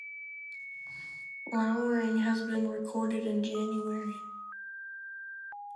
Flowering has been recorded in January.